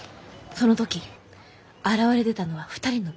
「その時現れ出たのは二人の武士。